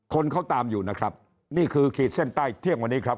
คนเขาตามอยู่นะครับนี่คือขีดเส้นใต้เที่ยงวันนี้ครับ